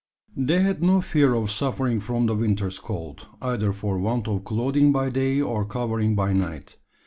They had no fear of suffering from the winter's cold either for want of clothing by day, or covering by night.